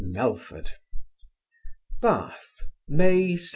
MELFORD BATH May 17.